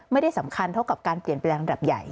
ไม่ได้สำคัญเท่ากับการเปลี่ยนแปลงระดับใหญ่